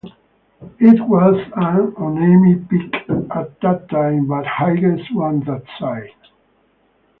It was an unnamed peak at that time but highest on that side.